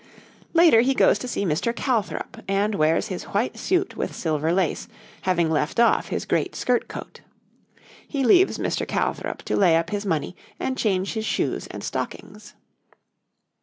Later he goes to see Mr. Calthrop, and wears his white suit with silver lace, having left off his great skirt coat. He leaves Mr. Calthrop to lay up his money and change his shoes and stockings.